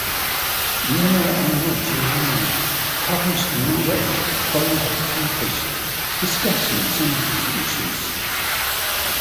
Miller and Modigliani published a number of follow-up papers discussing some of these issues.